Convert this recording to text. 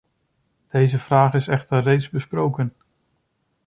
Deze vraag is echter reeds besproken.